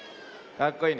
かっこいいね。